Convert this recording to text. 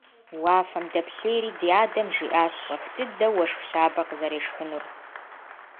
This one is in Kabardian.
Уафэм дэплъейри ди адэм жиӏащ щӏэх дыдэу уэшх щабэ къызэрешхынур.